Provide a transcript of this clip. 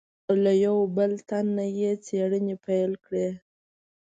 له یوه بل تن نه یې څېړنې پیل کړې.